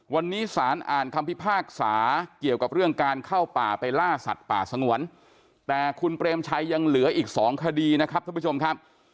วันนี้สารอ่านคำพิพากษาเกี่ยวกับเรื่องการเข้าป่าไปล่าสัตว์ป่าสงวนแต่คุณเปรมชัยยังเหลืออีกสองคดีนะครับท่านผู้ชมครับ